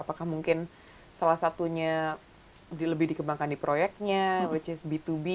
apakah mungkin salah satunya lebih dikembangkan di proyeknya which is b dua b